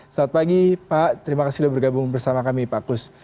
selamat pagi pak terima kasih sudah bergabung bersama kami pak kus